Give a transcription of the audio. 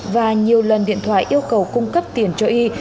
và nhiều lần điện thoại yêu cầu cung cấp tiền cho y